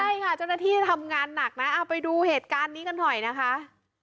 ใช่ค่ะเจ้าหน้าที่ทำงานหนักนะเอาไปดูเหตุการณ์นี้กันหน่อยนะคะ